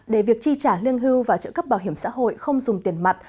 để việc chi trả lương hưu và trợ cấp bảo hiểm xã hội không dùng tiền mặt